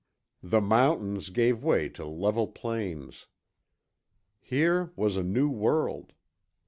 The mountains gave way to level plains. Here was a new world!